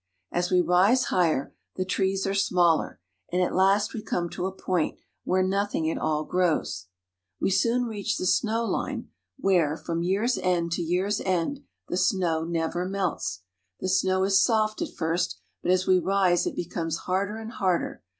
As we rise higher, the trees are smaller, and at last we come to a point where nothing at all grows. We soon reach the snow line, where, from year's end CENTRAL AMERICA. 345 to year's end, the snow never melts. The snow is soft at first, but as we rise it becomes harder and harder.